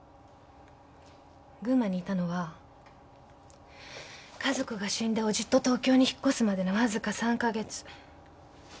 群馬にいたのは家族が死んで伯父と東京に引っ越すまでのわずか３か月。